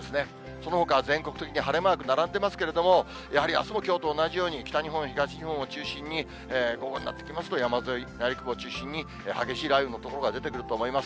そのほかは全国的に晴れマーク並んでますけれども、やはりあすもきょうと同じように北日本、東日本を中心に、午後になってきますと山沿い、内陸部を中心に、激しい雷雨の所が出てくると思います。